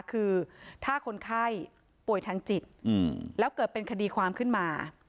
คือถ้าคนไข้ป่วยทางจิตแล้วเกิดเป็นคดีความขึ้นมา